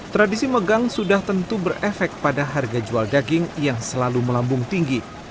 tradisi megang sudah tentu berefek pada harga jual daging yang selalu melambung tinggi